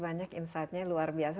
banyak insightnya luar biasa